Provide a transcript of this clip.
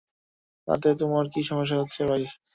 তাতে তোমার কী সমস্যা হচ্ছে ভাই?